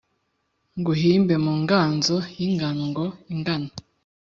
Nguhimbe mu nganzo y'ingango ingana